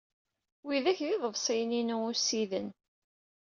Widak d iḍebsiyen-inu ussiden.